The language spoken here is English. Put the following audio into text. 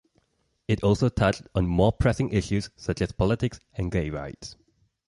It also touched on more pressing issues such as politics and gay rights.